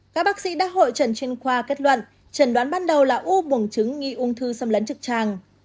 các bác sĩ đã hội trần chuyên khoa kết luận trần đoán ban đầu là u buồng trứng nghi ung thư xâm lấn trực tràng